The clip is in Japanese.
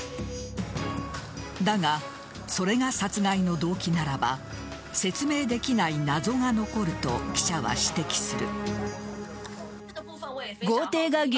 だが、それが殺害の動機ならば説明できない謎が残ると記者は指摘する。